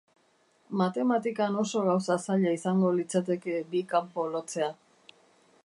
Matematikan oso gauza zaila izango litzateke bi kanpo lotzea.